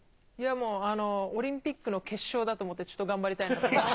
もう、オリンピックの決勝だと思って、ちょっと頑張りたいなと思います。